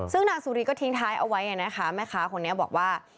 ซึ่งนางสุรีก็ทิ้งท้ายเอาไว้นะคะแม่ค้าคนนี้บอกว่า